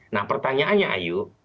nah pertanyaannya ayu